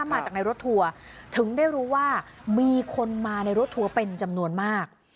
มาจากในรถทัวร์ถึงได้รู้ว่ามีคนมาในรถทัวร์เป็นจำนวนมาก